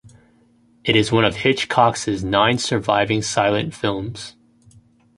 It is one of Hitchcock's nine surviving silent films.